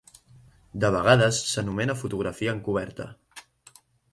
De vegades s'anomena fotografia encoberta.